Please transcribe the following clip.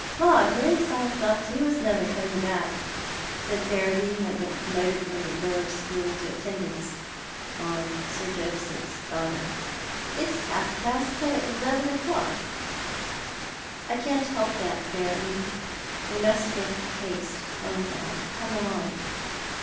"Lor, miss, I thought you was never coming back," paid Ferriby, who had been promoted from the village school to attendance on Sir Joseph's daughter. " It's past eleven o'clock." " I can't help that, Ferriby. We must make haste home Eow; come along."